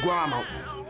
gua gak mau